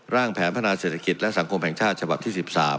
แผนพัฒนาเศรษฐกิจและสังคมแห่งชาติฉบับที่๑๓